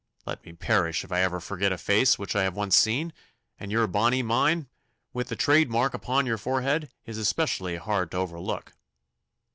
Let me perish if I ever forget a face which I have once seen, and your bonne mine, with the trade mark upon your forehead, is especially hard to overlook.